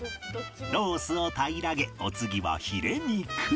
ロースを平らげお次はヒレ肉